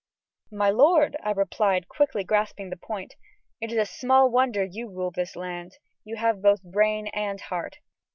"My lord," I replied, quickly grasping the point, "it is small wonder you rule this land. You have both brain and heart."